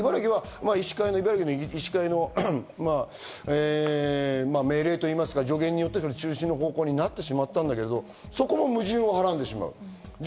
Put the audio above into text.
って、茨城は医師会の命令というか助言によって中止の方向になってしまったけど、そこの矛盾をはらんでしまう。